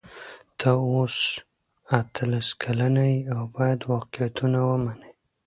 ته اوس اتلس کلنه یې او باید واقعیتونه ومنې.